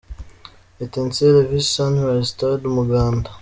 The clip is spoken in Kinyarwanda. Etincelles vs Sunrise – Stade Umuganda.